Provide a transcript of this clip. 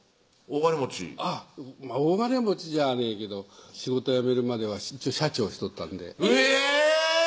大金持ちじゃねぇけど仕事辞めるまでは一応社長しとったんでえぇ！